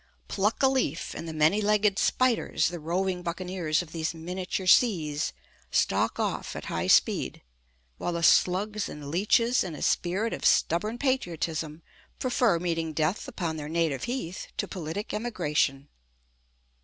Pluck a leaf, and the many legged spiders, the roving buccaneers of these miniature seas, stalk off at high speed, while the slugs and leeches, in a spirit of stubborn patriotism, prefer meeting death upon their native heath to politic emigration.